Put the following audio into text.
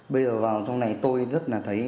bây giờ vào trong này tôi rất là thấy